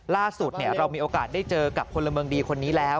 ล่าสุดเรามีโอกาสได้เจอกับพลเมืองดีคนนี้แล้ว